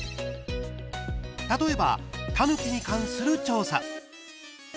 例えば「たぬき」に関する調査。